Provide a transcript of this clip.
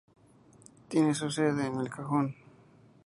Tiene su sede en El Cajón.